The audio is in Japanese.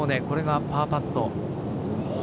これがパーパット。